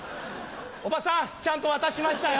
おばさん！ちゃんと渡しましたよ！